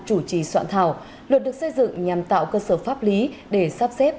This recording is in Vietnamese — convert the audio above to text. chủ trì soạn thảo luật được xây dựng nhằm tạo cơ sở pháp lý để sắp xếp